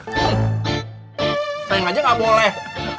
sayang aja gak boleh